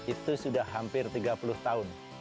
itu sudah hampir tiga puluh tahun